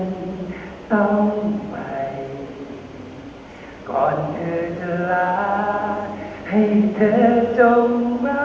ขอบคุณทุกคนมากครับที่รักโจมตีที่ทุกคนรัก